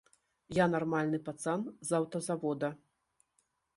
Я нармальны пацан з аўтазавода!